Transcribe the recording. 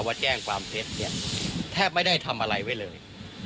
ว่าแจ้งความเท็จเนี่ยแทบไม่ได้ทำอะไรไว้เลย